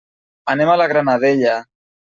Anem a la Granadella.